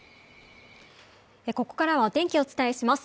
ここからはお天気をお伝えします。